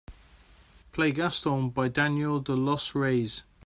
Play Gaston by Daniel De Los Reyes.